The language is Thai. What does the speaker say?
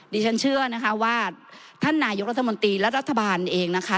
ดิฉันเชื่อนะคะว่าท่านนายกรัฐมนตรีและรัฐบาลเองนะคะ